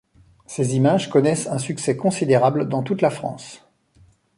Ses images connaissent un succès considérable dans toute la France.